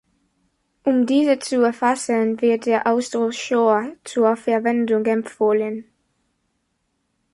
Um diese zu erfassen, wird der Ausdruck „Shoah“ zur Verwendung empfohlen.